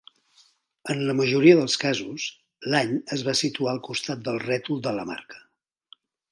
En la majoria dels casos, l'any es va situar al costat del rètol de la marca.